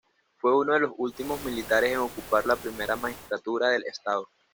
Fue uno de los últimos militares en ocupar la primera magistratura del Estado.